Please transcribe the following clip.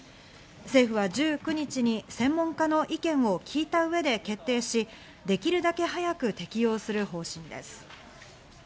政府は１９日に専門家の意見を聞いた上で決定し、できるだけ早く適用する方針です。